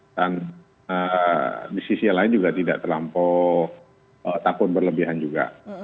dan di sisi lain juga tidak terlampau takut berlebihan juga